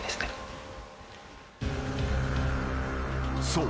［そう。